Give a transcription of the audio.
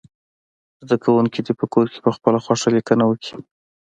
زده کوونکي دې په کور کې پخپله خوښه لیکنه وکړي.